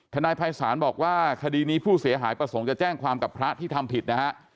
นายภัยศาลบอกว่าคดีนี้ผู้เสียหายประสงค์จะแจ้งความกับพระที่ทำผิดนะฮะ